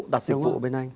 đặt dịch vụ bên anh